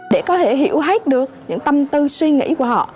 để có thể hiểu hết được những tâm tư suy nghĩ của họ